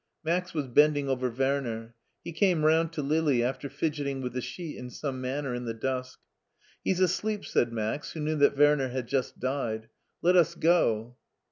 Max was bending over Werner. He came round to Lili after fidgeting with the sheet in some manner in the dusk. " He's asleep," said Max, who knew that Werner had just died ;" let us go."